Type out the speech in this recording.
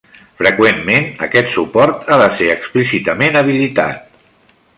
Freqüentment aquest suport ha de ser explícitament habilitat.